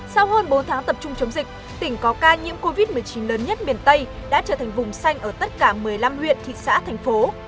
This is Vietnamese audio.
sau hơn bốn tháng tập trung chống dịch tỉnh có ca nhiễm covid một mươi chín lớn nhất miền tây đã trở thành vùng xanh ở tất cả một mươi năm huyện thị xã thành phố